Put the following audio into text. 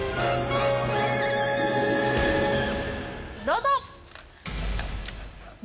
どうぞ！